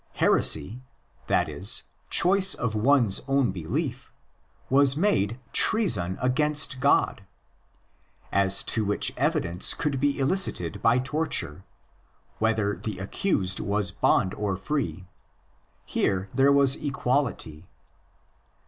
Heresy—that is, choice of one's own belief,! was made " treason against God," as to which evidence could be elicited by torture, whether the accused was '' bond or free"; here there was equality.